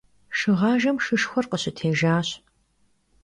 Şşığajjem şşışşxuer khışıtêjjaş.